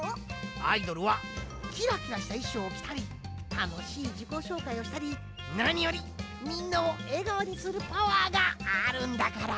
アイドルはキラキラしたいしょうをきたりたのしいじこしょうかいをしたりなによりみんなをえがおにするパワーがあるんだから！